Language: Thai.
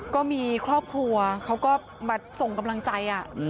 ก็มีครอบครัวเขาก็มาส่งกำลังใจ